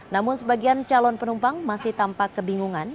namun sebagian calon penumpang masih tampak kebingungan